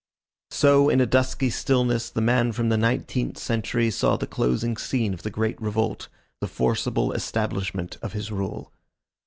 So, in a dusky stillness, the man from the nineteenth century saw the closing scene of the great revolt, the forcible establishment of his rule.